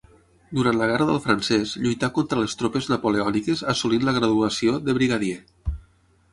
Durant la guerra del francès lluità contra les tropes napoleòniques, assolint la graduació de brigadier.